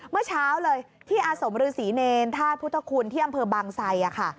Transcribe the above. เมื่อเช้าเลยที่อาสมฤษีเนรธาตุพุทธคุณที่อำเภอบางไซค่ะ